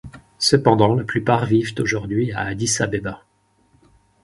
Cependant la plupart vivent aujourd'hui à Addis-Abeba.